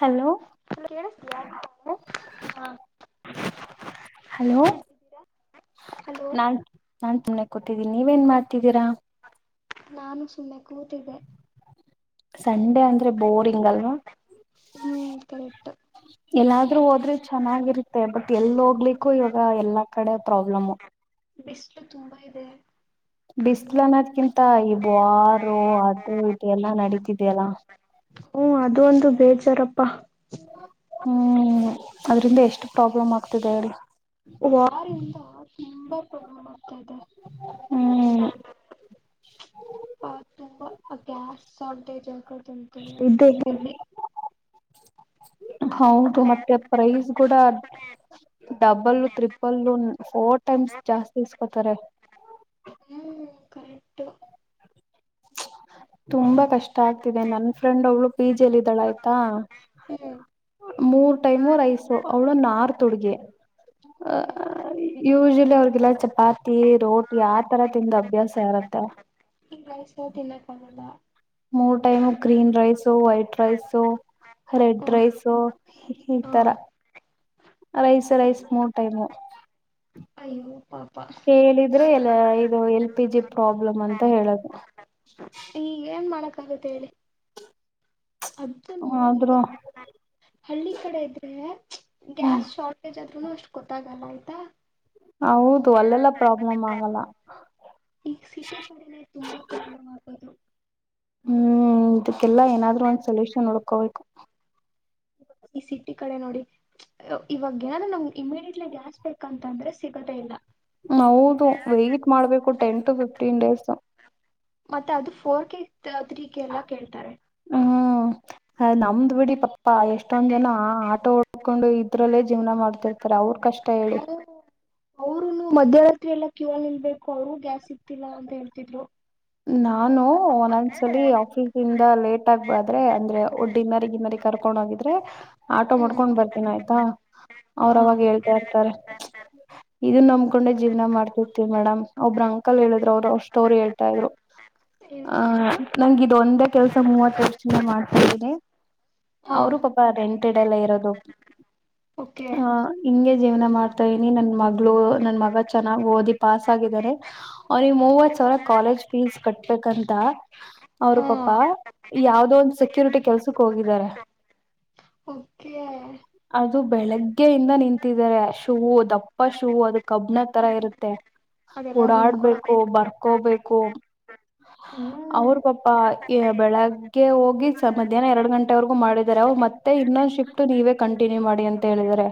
Hello ಹೇಳತಯಾ ಹ hello ಏನ್ ಮಾಡ್ತಿದ್ದೀರಾ ಹಲೋ ಕುತ್ತಿದ್ದೀನಿ ನೀವೇನ್ ಮಾಡ್ತಿದ್ದೀರಾ ನಾನು ಸುಮ್ಮನೆ ಕೂತಿದ್ದೆ ಸಂಡೆ ಅಂದ್ರೆ ಬೋರಿಂಗ್ ಅಲ್ವಾ ಹ್ಮ್ ಕರೆಕ್ಟ್ ಎಲ್ಲ ರು ಹೋದ್ರೆ ಚೆನ್ನಾಗಿರುತ್ತೆ ಬಟ್ ಎಲ್ ಹೋಗ್ಲಿಕ್ಕೂ ಇವಾಗ ಎಲ್ಲಾ ಕಡೆ ಪ್ರಾಬ್ಲಮ ಬಿಸಲು ತುಂಬಾ ಇದೆ ಬಿಸ್ಲು ಅನ್ನೋದಕ್ಕಿಂತ ಇದುವಾರು ಅದು ಇದು ಎಲ್ಲಾ ನಡತಿದಲ್ಲ ಹ್ಮ ಅದು ಒಂದು ಬೇಜಾರಪ್ಪಾ ಹ್ಮ್ ಅದ್ರಿಂದ ಎಷ್ಟು ಪ್ರಾಬ್ಲಮ್ ಆಗ್ತಿದೆ ಹೇಳಿ ಯಾರಿಲ್ಲ ತುಂಬಾ ತದ ಹ್ಮ್ ಹಾ ತುಂಬಾ ಅ ಗ್ಯಾಸ್ ಸ ೇರಿ [unintelligible] ಉದ್ದತ್ರೆ [inaudible] ಹೌದು ಮತ್ತೆ ಪ್ರೈಸ್ ಕೂಡ ಡಬಲ್ಲ ತ್ರಿಬಲ್ ಫೋರ್ ಟೈಮ್ಸ್ ಜಾಸ್ತಿ ಇಸ್ಕೋತಾರೆ ಹ್ಮ್ ಕರೆಕ್ಟ್ ತುಂಬಾ ಕಷ್ಟ ಆಗ್ತಿದೆ ನನ್ ಫ್ರೆಂಡ್ ಅವಳು ಪಿ ಜಿ ದಳ ಆಯ್ತಾ ಹ್ಮ್ ಮೂರ್ ಟೈಮು ರೈಸು ಅವಳು ನಾರ್ತ್ ಹುಡುಗಿ ಅ ಓಕೆ ಯೂಶಲಿ ಅವ್ರಿಗೆಲ್ಲ ಚಪಾತಿ ರೋಟಿ ಆತರ ತಿಂದ ಅಭ್ಯಾಸ ಇರತ್ತ ವೊ ತಿನ್ನಕ್ ಆಗಲ್ಲ ಮೂರ್ time green rice white rice ಹ್ಮ ರೆಡ್ ರೈಸ ಈ ಹಾ ತರ ರೈಸ್ ರೈಸ್ ಮೂರ್ ಟೈಮ್ ಅಯೋ ಪಾಪ್ ಕೇಳಿದ್ರೆ ಎಲ್ಲ ಇದು ಎಲ್ ಪಿ ಜಿ ಪ್ರಾಬ್ಲಮ್ ಅಂತ ಹೇಳದು. ಹೌದ್ ಹೇಳಿ ಅದನ್ನು ಆದ್ರೂ ಇವತ್ತು ಹಳ್ಳಿ ಕಡೆ ಇದ್ರೆ ಹ್ಮ್ ಗ್ಯಾಸ್ ಶಾರ್ಟೆಜ್ ಆದ್ರೂನು ಅಷ್ಟು ಗೊತ್ತಾಗಲ್ಲ ಆಯ್ತಾ ಹೌದು ಅಲ್ಲೆಲ್ಲ ಪ್ರಾಬ್ಲಮ್ ಆಗಲ್ಲ ಈಗ ಸಿಟಿ ಕಡೆನೆ ತುಂಬಾ ಪ್ರಾಬ್ಲಮ್ ಆಗೋದು [inaudible] ಹ್ಮ್ ಇದಕ್ಕೆಲ್ಲ ಏನಾದ್ರು ಒಂದ್ ಸಲ್ಯೂಷನ್ ನಡ್ಕೋಬೇಕು ಈ ಸಿಟಿ ಕಡೆ ನೋಡಿ ಇವಾಗ ಏನಾದ್ರರು ನಮಗೆ ಇಮಿಡಿಯೇಟ್ಲಿ ಗ್ಯಾಸ್ ಬೇಕಂತಂದ್ರೆ ಸಿಗದೇ ಇಲ್ಲ ಹೌದು ವೈಟ್ ಮಾಡ್ಬೇಕು ಟೆನ್ ಟು ಫಿಫ್ಟೀನ್ ಡೇಸ್ ಮತ್ತೆ ಅದು ಫೋರ್ ಕೆ ತೊದ್ರಕ್ಕೆ ಎಲ್ಲ ಕೇಳ್ತಾರೆ ಹ್ಮ್ ನಮ್ದ ಬಿಡಿ ಪ ಪ್ಪಾ ಎಷ್ಟೊಂದ್ ಜನ ಆ ಉಡ್ಕೊಂಡು ಇದ್ರಲ್ಲೇ ಜೀವನ ಮಾಡ್ತಿರ್ತಾರೆ ಅವ್ರು ಕಷ್ಟ ಹೇಳಿ ಅವ್ರುನು ಮಧ್ಯರಾತ್ರಿ ಎಲ್ಲ ಕ್ಯೋಳ್ನಿಲ್ವೆನ್ ಕೌಳು ಗ್ಯಾಸ್ಸಿಕ್ತಿಲ್ಲನಂತೇಳ್ ತಿದ್ಲು ನಾನು ಒನ್ನೊನ್ಸಲಿ ಆಫೀಸಿಂದ ಲೇಟಾಗಬದ್ರೇ ಅಂದ್ರೆ ಒ ಡಿನ್ನರ್ಗಿನ್ನೇರಿಗ್ -ರ್ಕೊಂಡೋಗಿದ್ರೆ [inaudible] ಆಟೋ ಮಾಡ್ಕೊಂಡ್ಬಿರ್ತಿನೈತ ಹಾ ಅವ್ರ್ ಅವಾಗೆಳ್ತಾಇರ್ತರೆ ಇದುನ್ನಬ್ಕೊಂಡೆ ಜೀವ್ನ ಮಾಡ್ತಿರ್ತಿವ್ ಮೇಡಮ್ ಒಬ್ರಅಂಕಲ್ ಹೇಳಿದ್ರೋಔಷ್ ಸ್ಟೋರಿ ಹೇಳ್ ಳ್ತಇದ್ರು ಏನಂತ ಆ--ನಂಗಿದೊಂದೇ ಕೆಲ್ಸ ಮೂವತ್ತೋರ್ಷದಿಂದ ಮಾಡ್ ಹ [unintelligible] ಹಾ ಅವ್ರು ಪಪ ರೆಂಟೆಡಲ್ಲೇ ಇರೋದು ಓಕೆ ಹಾ ಇಂಗೆ ಜೀವನ ಮಾಡ್ತಾಯಿದೀನಿ ನನ್ ಮಗಳು ನನ್ ಮಗ ಚೆನ್ನಾಗೋದಿ ಪಾಸಾಗಿದರೆ ಅವ್ರಿಗ್ ಮೂವತ್ಸಾವ್ರ ಕಾಲೇಜ್ ಫೀಸ್ ಕಟ್ಬೇಕಂತ ಅವ್ರು ಹಾ ಪಾಪಾ ಯಾವ್ದೋದ್ಯಾವ್ದೋನ್ದ ಸಿಕ್ -ಕ್ಯೂರಿಟಿ ಕೆಲ್ಸುಕ್ಕೋಗಿದರೆ ಓಕೆ -ದು ಬೆಳಿಗ್ಗೆಯಿಂದ ನಿಂತಿದಾರೆ ಶುವು ದಪ್ಪ ಶೂ ಅದು ಕಬ್ಣ ತರ ಇರುತ್ತೆ ಅದೆಲ್ಲ ನಿನ್ಕೊಡ ಓಡಾಡ್ಬೇಕು ಬರ್ಕೋಬೇಕ್ ಹ [unintelligible] ಹ್ಮ್ ಅವ್ರ್ ಪಾಪಯ ಬೆಳಗ್ಗೆ ಹೋಗಿ ಸ--ಮಧ್ಯಾಹ್ನ ಎರ್ಡಗಂಟೆವರ್ಗು ಮಾಡಿದಾರೆ ಅವರು ಮತ್ತೆ ಇನ್ನೊಂದ್ ಶಿಫ್ಟ್ ನೀವೇ ಕಂಟಿನ್ಯೂ ಮಾಡಿ ಅಂತ ಹೇಳಿದಿದ್ದಾರೆ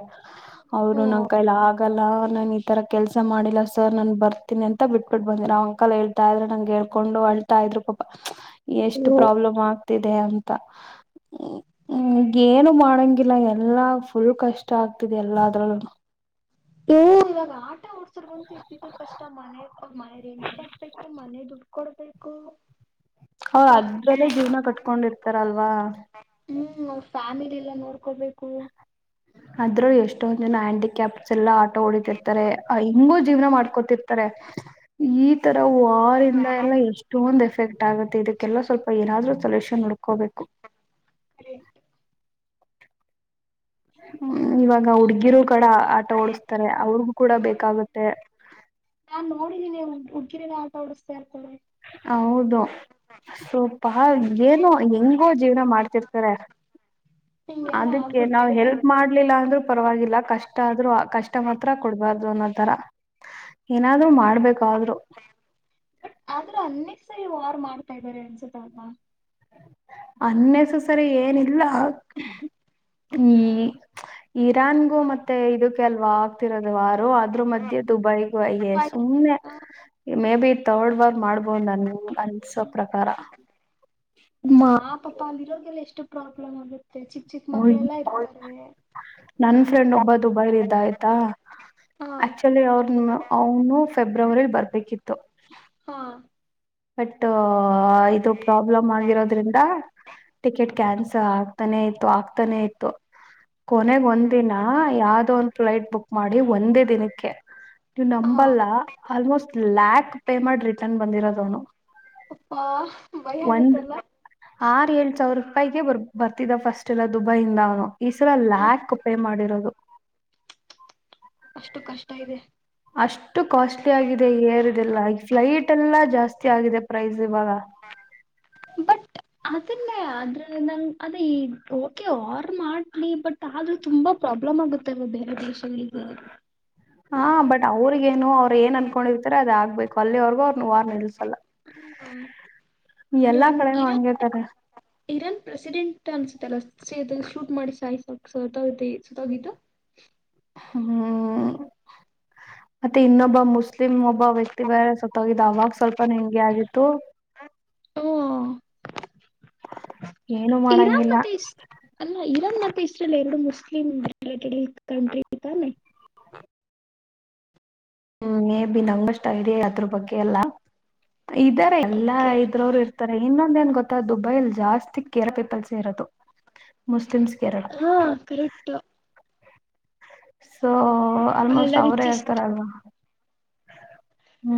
ಅವ್ರು ಓ ನಂಕೈಲಾಗಲ್ಲ ನಾನ್ ಈತರ ಕೆಲ್ಸ ಮಾಡಿಲ್ಲ ಸರ್ ನಾನ್ ಬರ್ತೀನಿ ಅಂತ ಬಿಟಿಬಿಬಂದಿ ಅವಂಕಲ್ ಏಳ್ ಳ್ತಾದ್ರು ನಂಗೇಳ್ಕೊಂಡು ಅಳ್ತಾಯಿದ್ರು ಪಾಪಾ ಎಷ್ಟ್ ಅಯ್ಯೋ ಪ್ರಾಬ್ಲಮ್ ಆಗ್ತಿದೆ ಅಂತ ಗೇನು ಮಾಡಂಗಿಲ್ಲ ಎಲ್ಲಾ ಫುಲ್ ಕಷ್ಟ ಆಗ್ತಿದೆ ಎಲ್ಲದ್ರಲ್ಲೂನು ಊ ಇವಗಾಟ ಓಡ್ಸೋರ್ಗಂತೂ ಇದ್ದಿದ್ದೂ ಕಷ್ಟ ಮನೆ ಮನೆ ರೆಂಟ್ ಕಟ್ಬೇಕು ಮನೆ ದುಡ್ ಕೊಡ್ಬೇಕು ಹಾ ಅಪ್ಪಾ ಅದ್ರಲ್ಲೇ ಜೀವ್ನ ಕಟ್ಕೊಂಡಿರ್ತಾರಲ್ವಾ ಹ್ಮ್ ಅವ್ರ್ ಫ್ಯಾಮಿಲಿಲ್ಲಾ ನೋಡ್ಕೋಬೇಕು ಆದ್ರು ಎಷ್ ಷ್ಟೊಂದ್ ಜನ ಹ್ಯಾಂಡಿಕ್ಯಾಪ್ಸ್ ಎಲ್ಲಾ ಆಟೋ ಓಡಿತಿರ್ತಾರೆ ಆ ಹಿಂಗೋ ಜೀವನ ಮಾಡ್ಕೊತಿರ್ತಾರೆ ಈತರ್ ವಾರಿಂದ ಎಲ್ಲ ಎಷ್ಟೊಂದೆಫೆಕ್ಟಾಗುತ್ತೆ ಇದಕ್ಕೆಲ್ಲ ಸ್ವಲ್ಪ ಏನಾದ್ರೂ ಸೆಲ್ಯೂಷ್ [inaudible] ಕೋಬೇಕು [inaudible] ಹ್ಮ ಇವಾಗ ಹುಡ್ಗಿರು ಕಡ ಆಟ ಓಡಸ್ತಾರೆ ಅವ್ರಿಗು ಕೂಡ ಬೇಕಾಗತ್ತೆ ಕಿರಿ ನಾವು ತೋಡಿಸತಾ ಇರ್ಕೋಿ ಹೌದು ಸ್ವಪ ಏನುೋ ಹೆಂಗೋ ಜೀವನ ಮಾಡ್ತಿರ್ತಾರೆ ಹಿಂಗೆಲ್ಲಾ ಅದಕ್ಕೆ ಆಗ್ಬಿಟ್ರೆ ನಾವ್ ಹೆಲ್ಪ್ ಮಾಡ್ಲಿಲ್ಲ ಅಂದ್ರೂ ಪರವಾಗಿಲ್ಲ ಕಷ್ಟ ಆದ್ರು ಕಷ್ಟ ಮಾತ್ರ ಕೊಡಬಾರ್ದು ಅನ್ನೋ ತರ ಏನಾದ್ರು ಮಾಡ ಮಾಡ್ಬೇಕಾದ್ರು ನೀವು ವಾರು ಮಾಡ್ತಾ ಇದ್ದಾರೆ ಅನ್ಸುತ್ತ ಅಲ್ವಾ ಅನ್ನೆಸೆಸರಿ ಏನಿಲ್ಲ ಈ ಇರಾನ್ಗೂ ಮತ್ತೆ ಇದಕ್ಕೆ ಅಲ್ವಾ ಆಗ್ತಿರೋದು ವಾರೋ ಆದ್ರೂ ಮಧ್ಯೆ ದುಬೈಗೂ ಅಯ ಸುಮ್ಮ್ನೆ ಮೇ ಬಿ ಥರ್ಡ್ ವಾರ್ ಮಾಡ್ಬೋದು ನಂಗ್ ಅನ್ಸೋ ಪ್ರಕಾರ ಮಾ ಪಾಪಾ ಅಂದ್ರೆ ಎಷ್ಟು ಪ್ರಾಬ್ಲಮ್ ಆಗುತ್ತೆ ಚಿಕ್ಕ ಚಿಕ್ಕ ಹ ಮಕ್ಳೆಲ್ಲಾ ಇರ್ತಾರೆ ನನ್ ಫ್ರೆಂಡ್ ಒಬ್ಬ ದುಬೈಲಿ ಇದ್ದ ಆಯ್ತಾ ಹಾ ಆಕ್ಚುಲಿ ಅವ್ರ ಅವನು ಫೆಬ್ರವರಿಲ್ ಬರ್ಬೇಕಿತ್ತು ಹಾ ಹತ್ತ ಇದು ಪ್ರಾಬ್ಲಮ್ ಆಗಿರೋದ್ರಿಂದ ಟಿಕೆಟ್ ಕ್ಯಾನ್ಸಲ್ ಆಗ್ತಾನೆ ಇತ್ತು ಆಗ್ತಾನೆ ಇತ್ತು ಕೊನೆಗ ಹ್ಮ್ ಒಂದ ದಿನ ಯಾವ್ದೋ ಒ ಫಲೈಟ್ ಬುಕ್ ಮಾಡಿ ಒಂದೇ ದಿನಕ್ಕೆ ನೀವು ಹಾ ನಂಬಲ್ಲ ಆಲ್ಮೋಸ್ಟ್ ಲ್ಯಾಕ್ ಪೇ ಮಾಡಿ ಚಂದ ಬಂದಿರದನು ಅಪ್ಪಾ ಭಯ ಒಂದು ಆಗತ್ತಲ್ಲ ಆರು ಏಳ್ ಸಾವಿರ ಪೈಗೆ ಬರ್ ಬರ್ತಿದ್ದ ಫಸ್ಟ್ ಎಲ್ಲ ದುಬೈಯಂದ ಅವನು ಈ ಸಲ ಲ್ಯಾಕ್ ಪೇ ಮಾಡಿರೋದು ಅಷ್ಟು ಕಷ್ಟ ಇದೆ ಅಷ್ಟು ಕಾಸ್ಟ್ಲಿ ಆಗಿದೆ ಏರ್ ಇದೆಲ್ಲ ಫ್ಲೈಟ್ ಎಲ್ಲಾ ಜಾಸ್ತಿ ಆಗಿದೆ ಪ್ರೈಸ್ ಬ ಅದಲ್ಲೇ ಆದ್ರ ನಂಗ ಅದೇ ಈ ಓಕೆ ಆರ್ ಮಾಡ್ಲಿ ಬಟ್ ಆದ್ರೂ ತುಂಬಾ ಪ್ರಾಬ್ಲಮ್ ಆಗುತ್ತೆ ಬೇರೆ ದೇಶಗಳಿಗೆ ಹಾ ಬಟ್ ಕೊಲ್ಲಿವರೆಗೂ ಅವ್ರನು ವಾರ್ ನಿಲ್ಸಲ್ಲ ಹ್ಮ ಎಲ್ಲಾ ಇರಾನ್ ಕಡೆನೂ ಇರಾನ್ ಹಂಗೆ ತಾನೆ ಇರಾನ್ ಪ್ರೆಸಿಡೆಂಟ್ ಅನ್ಸುತ್ತಲ್ಲ ಸೇತ ಶೂಟ್ ಮಾಡಿ ಸಾಯಸ ಸ ತಗತಿ ಸ ತಗಿತ ಹ್ಮ್ ಮತ್ತೆ ಇನ್ನೊಬ್ಬ ಮುಸ್ಲಿಮ್ ಒಬ್ಬ ವ್ಯಕ್ತಿ ಬೇರೆ ಸತ್ತೋಗಿದ್ದ ಅವಾಗ ಸ್ವಲ್ಪ ಹೆಂಗೆ ಆಗಿತ್ತು ಹ್ಮ್ ಏನು ಇರಾನ್ ಮಾಡಂಗಿಲ್ಲ ಮತ್ತೆ ಇಷ್ಟ ಅಲ್ಲ ಇರಾನ್ ಮತ್ತೆ ಸ್ರಲ್ಲ ಎರಡು ಮುಸ್ಲಿಂ ಯೈಟೆಡ್ ಕಂಟ್ರಿ ತಾನೆ ಹ್ಮ್ ಮೇ ಬಿ ನಂಗಷ್ಟ್ ಐಡಿಯಾ ಅದ್ರ ಬಗ್ಗೆ ಎಲ್ಲ ಇದಾರೆ ಎಲ್ಲಾ ಓಕೆ ಇದ್ರೋರು ಇರ್ತಾರೆ ಇನ್ನೊಂದ ಏನ್ ಗೊತ್ತಾ ದುಬೈಲ್ ಜಾಸ್ತಿ ಕೇರಳ ಪೀಪಲ್ಸ್ ಇರೋದು ಮುಸ್ಲಿಮ್ಸ್ ಕೇರಳ ಹಾ ಕರೆಕ್ಟು ಸ ಹೊ ಆಲ್ಮೋಸ್ಟ್ ಎಲ್ಲ ಅವ್ರೇ ರಿಚೆಸ್ಟ್ ಇರ್ತಾರಲ್ವಾ [inaudible]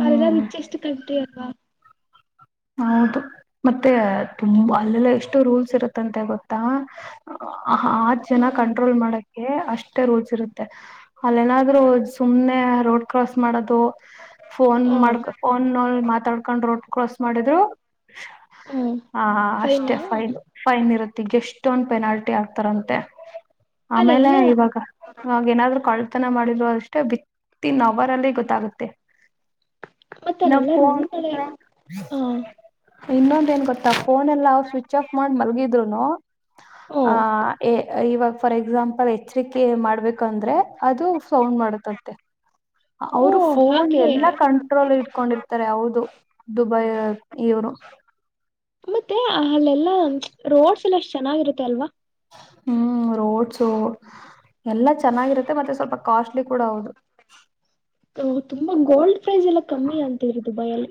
ಮರೆಲ್ಲ ಬಿಚ್ ಎಷ್ಟು ಕಂಟ್ರಿ ಅಲ್ವಾ ಹೌದು ಮತ್ತೆ ತುಂಬ ಅಲ್ಲೆಲ್ಲ ಎಷ್ಟು ರೂಲ್ಸ್ ಇರುತ್ತಂತೆ ಗೊತ್ತಾ? ಆಹ್ ಆರ್ ಜನ ಹ್ಮ್ ಕಂಟ್ರೋಲ್ ಮಾಡಕ್ ಅಷ್ಟೇ ರೂಲ್ಸ್ ಇರುತ್ತೆ ಅಲ್ಲೆನಾದ್ರು ಸುಮ್ನೆ ರೋಡ್ ಕ್ರಾಸ್ ಮಾಡೋದು ಫೋನ್ ಆ ಮಾಡ್ಕ ಫೋನ್ [unintelligible] ತಡ್ಕೊಂಡ್ ರೋಡ್ [unintelligible] ಮಾಡುದ್ರು ಹ್ಮ್ ಹ ಫೈನಾ ಅಷ್ಟೇ ಫೈನ್ ಫೈನ್ ಇರುತ್ ಎಷ್ಟೊನ್ದ್ ಪೆನಾಲ್ಟಿ ಆಗ್ತಾರಂತೆ ಆಮೇಲೆ ಅಲ್ಲೆಲ್ಲಾ ಇವಾಗ ಅವಾಗ್ ಏನಾದ್ರು ಕಳ್ ತನ ಮಾಡಿದ್ರು ಅಷ್ಟೇ ವಿತ್ತಿನ್ ಅವರಲ್ಲಿ ಗೊತ್ತಾಗುತ್ತೆ ನೋ [unintelligible] ಹಾ ಇನ್ನೊಂದ ಏನ್ ಗೊತ್ತಾಫೋನ್ ಎಲ್ಲ ಸ್ವಿಚ್ ಆಫ್ ಮಾಡಿ ಮಲ್ಗಿದ್ರುನು ಓ ಆಹ್ ಎ ಇವಾಗ್ ಫಾರ್ ಎಕ್ಸಾಂಪಲ್ ಎಚ್ರಿಕೆ ಮಾಡ್ಬೇಕಂದ್ರೆ ಅದು ಸೌಂಡ್ ಮಾಡುತ್ತಂತೆ ಓ ಅವ್ರು ಫೋನ್ ಹಾಗೆ ಎಲ್ಲ ಕಂಟ್ರೋಲ್ ಇಟ್ಕೊಂಡಿರ್ತಾರೆ ಹೌದು ದುಬೈ ಇವ್ರು ಮತ್ತೆ ಅಲ್ಲೆಲ್ಲಾ ರೋಡ್ಸ್ ಎಲ್ಲ ಎಷ್ಟ್ ಚೆನ್ನಾಗಿರುತ್ತೆ ಅಲ್ವಾ ಹ್ಮ್ ರೋಡ್ಸು ಎಲ್ಲ ಚೆನ್ನಾಗಿರುತ್ತೆ ಮತ್ತೆ ಸ್ವಲ್ಪ ಕಾಸ್ಟ್ಲಿ ಕೂಡ ಹೌದು ಹ ತುಂಬಾ ಗೋಲ್ಡ್ ಪ್ರೈಸ್ ಎಲ್ಲ ಕಮ್ಮಿ ಅಂತರಿ ದುಬೈಯಲ್ಲಿ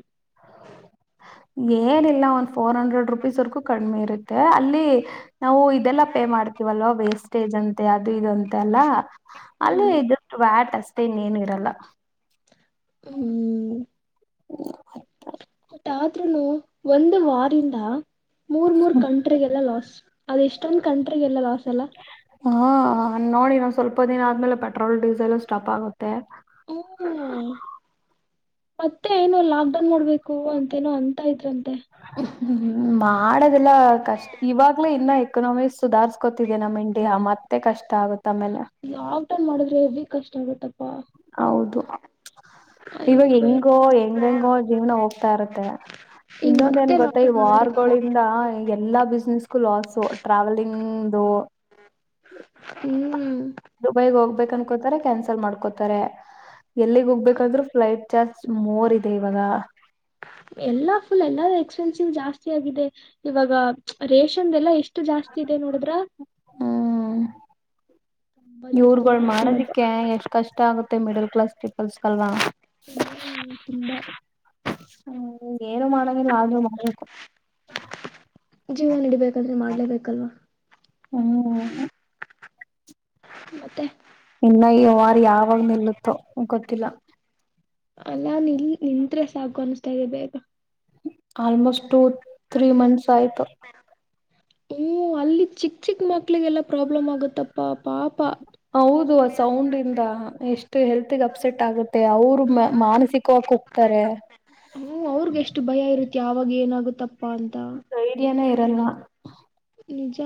ಏನಿಲ್ಲ ಒಂದ್ ಫೋರ್ ಹಂಡ್ರೆಡ್ ರುಪೀಸೊರ್ಗೂ ಕಡ್ಮೆ ಇರುತ್ತೆ ಅಲ್ಲಿ ನಾವು ಇದೆಲ್ಲಾ ಪೇ ಮಾಡ್ತೀವಲ್ವಾ ವೇಸ್ಟೇಜ್ ಅಂತೆ ಅದು ಇದ್ ಅಂತೆ ಎಲ್ಲ ಅಲ್ಲಿ ಹ್ಮ್ ಇದುರ್ದು ವ್ಯಾಟ್ ಅಸ್ಟೆ ಇನ್ನೇನು ಇರಲ್ಲ ಹ್ಮ್ ಬ ಆದ್ರನು ಒಂದು ವಾರಿಂದ ಮೂರ್ ಮೂರ್ ಕಂಟ್ರಿಗೆಲ್ಲ ಲಾಸ್ ಅದು ಇಷ್ಟೊಂದ್ ಕಂಟ್ರಿ ಎಲ್ಲಾ ಹಾ ನೋಡಿನ್ ಸ್ ಸ್ವಲ್ಪ ದಿನ ಆದ್ಮೇಲೆ ಪೆಟ್ರೋಲು ಡೀಸಲ್ ಸ್ಟಾಪ್ ಆಗುತ್ ತ್ತೆ ಹ್ಮ ಮತ್ತೆ ಏನು ಲಾಕ್ಡೌನ್ ಮಾಡ್ಬೇಕು ಅಂತೇನೋ ಅಂತ ಇದ್ರಂತೆ ತ್ತೆ ಹ್ಮ್ ಮಾಡದೆಲ್ಲ ಕಷ್ಟ ಇವಾಗ್ಲೇ ಇನ್ನ ಎಕನಾಮಿ ಸುಧಾರ್ಸ್ಕೊತಿದ್ದಿದೆ ನಮ್ಮ ಇಂಡಿ ಮತ್ತೆ ಕಷ್ಟ ಆಗುತ್ತ ಆಮೇಲೆ ಲಾಕ್ಡೌನ್ ಮಾಡಿದ್ರೆ ಹೆವಿ ಕಷ್ಟ ಆಗುತ್ತ ಹೌದು ಅಯ್ಯೋ ಇವಾಗ ಬೇಡ ಹೆಂಗೋ ಹೆಂಗ ಹೆಂಗೋ ಜೀವನ ಹೋಗ್ತಾ ಇರುತ್ತೆ ಈಗ ಇನ್ನೊಂದ ಮತ್ತೆ ಏನ್ ಗೊತ್ತ ಈ ಲಾಕ್ಡೌನ್ ಮಾಡಿದ್ರೆ ವಾರ್ಗಳಿಂದ ಎಲ್ಲಾ ಬಿಸ್ನೆಸ್ಗು ಲಾಸು ಟ್ರಾವೆಲಿಂಗ್ ಹದು ಹ್ಮ್ ದುಬೈಗ್ ಹೋಗ್ಬೇಕು ಅನ್ಕೋತಾರೆ ಕ್ಯಾನ್ಸಲ್ ಮಾಡ್ಕೋತಾರೆ ಎಲ್ಲಿಗ್ ಹೋಗ್ಬೇಕಂದ್ರರು ಫ್ಲೈಟ್ ಚಾರ್ಜ್ ಮೂರ್ ಎಲ್ಲಾ ಫುಲ್ ಎಲ್ಲ ಎಸ್ಪೆನ್ಸಿಲ್ ಜಾಸ್ತಿ ಆಗಿದೆ ಇವಾಗ ರೇಷನ್ ಎಲ್ಲ ಎಷ್ಟು ಜಾಸ್ತಿ ಇದೆ ನೋಡಿದ್ರ ಇವರ್ಗಳು ಮಾಡದಿಕ್ಕೆ ಎಷ್ಟು ಕಷ್ಟ ಆಗುತ್ತೆ ಮಿಡಲ್ ಕ್ಲಾಸ್ ಪೀಪಲ್ಸ್ಗೆಲ್ವಾ ಹ್ಮ್ ತುಂಬಾ ಹ್ಮ್ ಏನು ಮಾಡಂಗ ಆದರೂ ಮಾಡಬೇಕು ಜೀವನ ನಡಿಬೇಕಂದ್ರೆ ಮಾಡ್ಲೇಬೇಕಲ್ವಾ ಹ್ಮ ಮತ್ತೆ ಇನ್ನ ಈ ವಾರ ಯಾವಾಗ ನಿಲ್ಲುತ್ತೋ ಗೊತ್ತಿಲ್ಲ ಅಲ್ಲಾ ನಿನ್ ನಿಂತ್ರೆ ಸಾಕು ಅನಿಸ್ತಾ ಇದೆ ಬೇಗ ಆಲ್ಮೋಸ್ಟ್ ಟು ತ್ರೀ ಮಂತ್ಸ್ ಆಯ್ತು ಓ ಅಲ್ಲಿ ಚಿಕ್ಕ ಚಿಕ್ಕ ಮಕ್ಳಿಗೆಲ್ಲಾ ಪ್ರಾಬ್ಲಮ್ ಆಗುತ್ತಪ್ಪ ಹೌದು ಆ ಸೌಂಡ್ ಇಂದ ಎಷ್ಟು ಹೆಲ್ತ್ಗೆ ಅಪ್ಸೆಟ್ ಆಗುತ್ತೆ ಅವರು ಮಾನಸಿಕವಾಗಿ ಕುಗ್ತಾರೆ ಹ ಅವ್ರಗೆ ಎಷ್ಟು ಭಯ ಇರುತ್ತ ಅವಾಗ ಏನಾಗುತ್ತಪ್ಪ ಅಂತ ಅಲ್ಲ ನಿಜ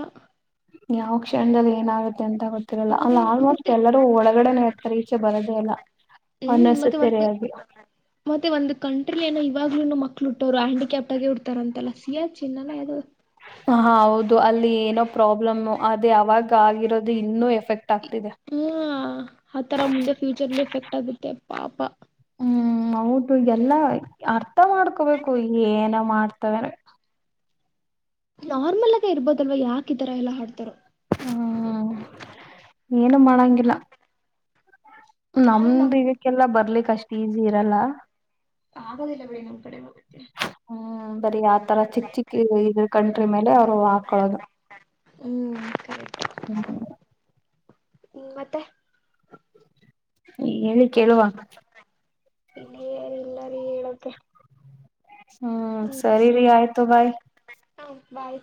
ಯಾವ ಕ್ಷಣದಲ್ಲಿ ಏನಾಗುತ್ತೆ ಎಂತ ಗೊತ್ತಿರಲ್ಲ ಅಲ್ಲ ಹ್ಮ್ ಆಲ್ಮೋಸ್ಟ್ ಮತ್ತೆ ಎಲ್ಲರೂ ಒಳಗಡೆನೆೇ ಇರ್ತಾರೆ ಬರೋದೆೇಲ್ಲ ಹ್ಮ್ ಮತ್ತೆ ಒಂದು ಮತ್ತೆ ಒಂದು ಕಣ ಏನ ಇವಾಗ್ಲೂ ಮಕ್ಳುಟ್ಟೋರು ಹ್ಯಾಂಡಿಕ್ಯಾಪಪ್ ಆಗಿ ಉಡ್ತಾರ ಅಂತಲ್ಲ ಸಿಯಾ ಚಿನ್ನದು ಹ ಹೌದು ಅಲ್ಲಿ ಏನೋ ಪ್ರಾಬ್ಲಮು ಅದ ಅವಾಗ ಆಗಿರೋದು ಇನ್ನೂ ಎಫೆಕ್ಟ್ ಆಗ್ತಿದೆ ಹ್ಮ್ ಆ ತರ ಮುಂದೆ ಫ್ಯೂಚರ್ ಎಫೆಕ್ಟ್ ಆಗುತ್ತೆ ಪಾಪಾ ಹ್ಮ್ ಹೌದು ಎಲ್ಲ ಅರ್ಥ ಮಾಡ್ಕೋಬೇಕು ಏನಪ್ಪಾ ಮಾಡ್ತವೆ ನಾರ್ಮಲ್ ಆಗ ಇರ್ಬೋದಲ್ವಾ ಯಾಕ ಇದಾರ ಎಲ್ಲ ಹಾಡ್ತಾರ ಹ್ಮ್ ಏನು ಮಾಡಂಗಿಲ್ಲ ಆದ್ರೆ ನಮ್ ನಮ್ದು ಇದಕ್ಕೆಲ್ಲಾ ಬರ್ಲಿಕ್ ಅಷ್ಟ್ ಈಸಿ ಇರಲ್ಲ ಆಗೋದಿಲ್ಲ ಬಿಡಿ ನಮ್ ಕಡೆ ಹೋಗುತ್ತೆ ಹ್ಮ್ ಬರಿೀ ಆತರ ಚಿಕ್ಕ ಚಿಕ್ಕ ಇರುವೆ ಇರುವೆ ಕಂಟ್ರಿ ಮೇಲೆ ಅವ್ರು ಹಾಕಳೋದು ಹ್ಮ್ ಹ್ಮ ಹ್ಮ ಹ್ಮ್ ಮತ್ತೆ ಹೇಳಿ ಕೇಳುವ ಇಲ್ಲಿ ಎಲ್ಲಾರ ಹೇಲೋದಷ್ಟೇ ಹ್ಮ್ ಸರಿರಿ ಆಯ್ತು ಬಾಯ್ ಹ ಬಾಯ್